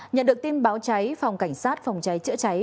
nhận được tin báo cháy phòng cảnh sát phòng cháy chữa cháy